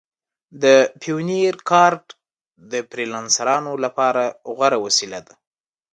د پیونیر کارډ د فریلانسرانو لپاره غوره وسیله ده.